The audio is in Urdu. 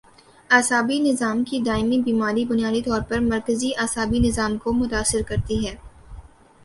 اعصابی نظام کی دائمی بیماری بنیادی طور پر مرکزی اعصابی نظام کو متاثر کرتی ہے